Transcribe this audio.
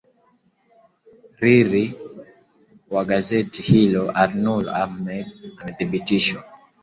riri wa gazeti hilo alnur ahmed amethibitisha